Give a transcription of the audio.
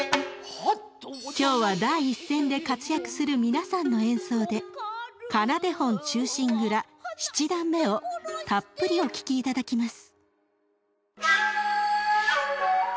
今日は第一線で活躍する皆さんの演奏で「仮名手本忠臣蔵七段目」をたっぷりお聴きいただきます！